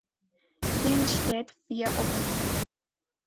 Grün steht für offen.